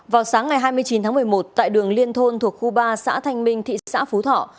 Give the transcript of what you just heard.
vào sáng ngày hai mươi chín tháng một mươi một tại đường liên thôn thuộc khu ba xã thanh minh thị xã phú thọ